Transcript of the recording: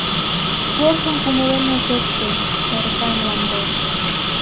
Порсын кумылем нӧлтет тый, Эрыкан мландем.